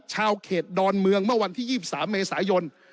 ชาวเขตดอนเมืองเมื่อวันที่๒๓เมษายน